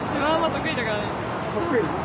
得意？